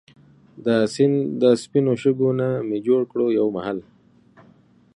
دا سیند دا سپينو شګو نه مي جوړ کړو يو محل